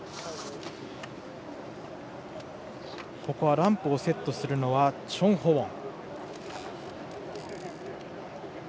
ランプをセットするのはチョン・ホウォン。